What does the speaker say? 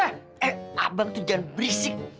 eh eh abang tuh jangan berisik